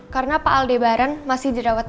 karena pak aldebaran masih dirawatkan